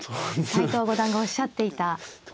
斎藤五段がおっしゃっていた一手ですね。